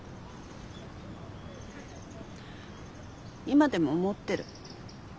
今でも思ってる。